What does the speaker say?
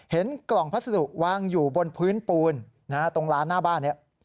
เห็นกล่องพัสดุวางอยู่บนพื้นปูนตรงร้านหน้าบ้านนี้